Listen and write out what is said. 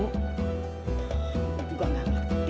bu juga nggak ngerti